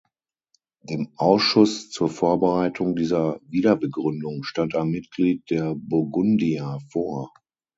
Dem Ausschuss zur Vorbereitung dieser Wiederbegründung stand ein Mitglied der Burgundia vor.